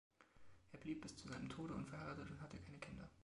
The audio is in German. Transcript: Er blieb bis zu seinem Tode unverheiratet und hatte keine Kinder.